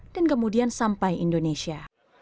dan kemudian sampai indonesia